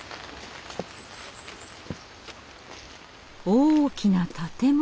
大きな建物！